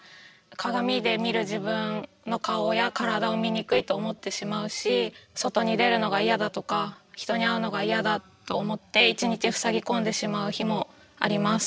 鏡で見る自分の顔や体を醜いと思ってしまうし外に出るのが嫌だとか人に会うのが嫌だと思って一日ふさぎ込んでしまう日もあります。